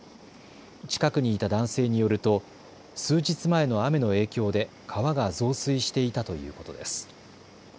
近くにいた男性によると数日前の雨の影響で川が増水していたということです。